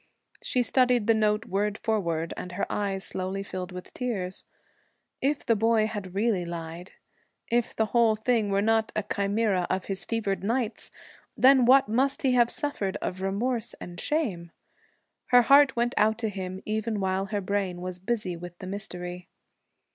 She studied the note word for word and her eyes slowly filled with tears. If the boy had really lied if the whole thing were not a chimera of his fevered nights then what must he have suffered of remorse and shame! Her heart went out to him even while her brain was busy with the mystery.